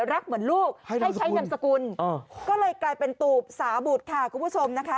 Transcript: รักเหมือนลูกให้ใช้นามสกุลก็เลยกลายเป็นตูบสาบุตรค่ะคุณผู้ชมนะคะ